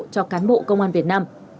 cho cán bộ công an việt nam